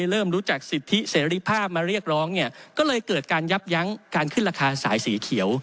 เริ่มรู้จักสิทธิเสรีภาพมาเรียกร้องเนี่ยก็เลยเกิดการยับยั้งการขึ้นราคาสายสีเขียว